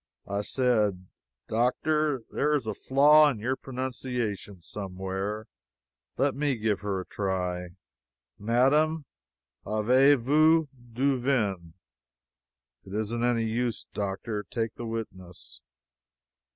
I said: "Doctor, there is a flaw in your pronunciation somewhere. Let me try her. Madame, avez vous du vin? It isn't any use, Doctor take the witness."